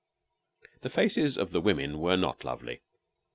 The faces of the women were not lovely.